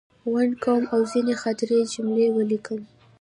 غونډ، قوم او ځینې خاطرې یې جملې ولیکم.